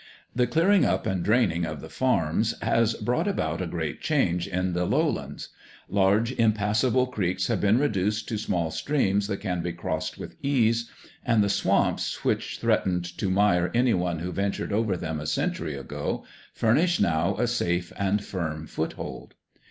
The clearing up and draining of the farms has brought about a great change in the low lands. Large impassable creeks have been reduced to small streams that can be crossed with ease, and the swamps, which threatened to mire any who ventured over them a century ago, furnish now a safe and firm foothold.